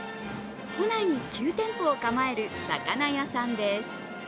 都内に９店舗を構える魚屋さんです。